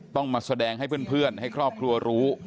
ต้องมาแสดงให้เพื่อนให้ครอบครัวรู้